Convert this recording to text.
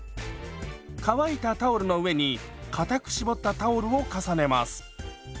乾いたタオルの上にかたく絞ったタオルを重ねます。